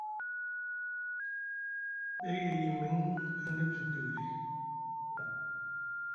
Day e yimiŋ aŋ dif zi duuli.